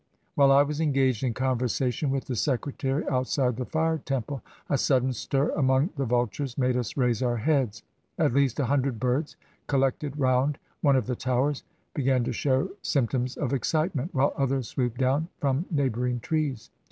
While I was engaged in conversation with the Secretary outside the Fire Temple, a sudden stir among the vul tures made us raise our heads. At least a hundred birds, collected round one of the Towers, began to show symp toms of excitement, while others swooped down from neighboring trees.